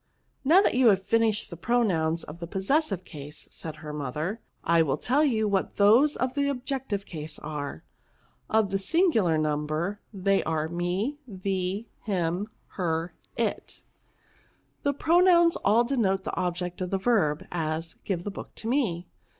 " Now that you have finished the pro nouns of the possessive case," said her mo ther, I will tell you what those of the objective case are. Of the singular number, they are, me^ thee, him, her, it. These pro PRONOUNS, ' 171 nouns all denote the object of a verb; as, give the book to me!